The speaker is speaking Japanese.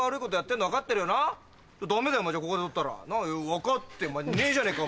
分かってねえじゃねぇか！